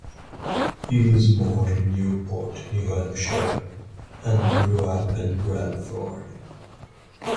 He was born in Newport, New Hampshire, and grew up in Bradford.